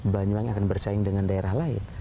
banyuwangi akan bersaing dengan daerah lain